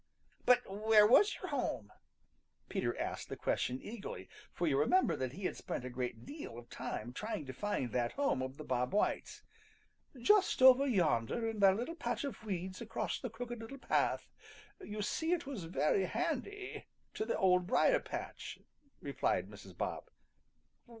"But where was your home?" Peter asked the question eagerly, for you remember he had spent a great deal of time trying to find that home of the Bob Whites. "Just over yonder in that little patch of weeds across the Crooked Little Path. You see it was very handy to the Old Briar patch," replied Mrs. Bob.